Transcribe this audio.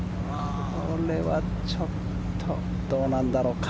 これはちょっとどうなんだろうか。